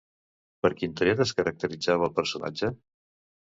Per quin tret es caracteritzava el personatge?